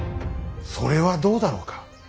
それはどうだろうか。